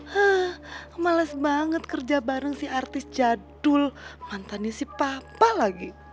hah males banget kerja bareng si artis jadul mantannya si papa lagi